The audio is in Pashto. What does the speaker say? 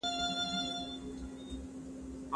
د میین شاعر شعرونه سیزي